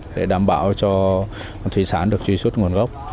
để đảm bảo cho thủy sản được truy xuất nguồn gốc